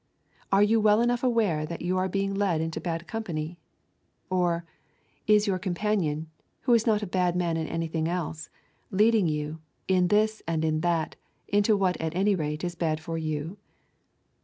Are you well enough aware that you are being led into bad company? Or, is your companion, who is not a bad man in anything else, leading you, in this and in that, into what at any rate is bad for you?